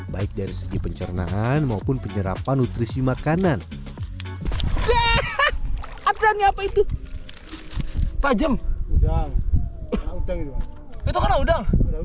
baik dari segi pencernaan maupun penyerapan nutrisi makanan atletnya apa itu tajam udah